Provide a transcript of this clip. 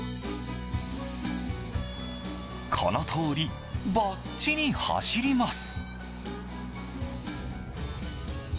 このとおり、ばっちり走ります。